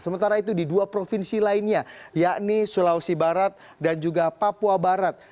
sementara itu di dua provinsi lainnya yakni sulawesi barat dan juga papua barat